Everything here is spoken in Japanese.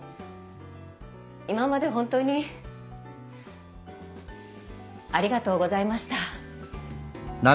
今まで本当にありがとうございました。